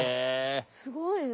すごいね。